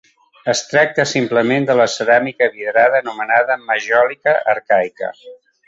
Es tracta simplement de la ceràmica vidrada anomenada majòlica arcaica.